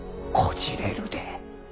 こじれるで。